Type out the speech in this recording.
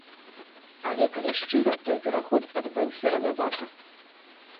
Але, калі шчыра, той пераход адбыўся ранавата.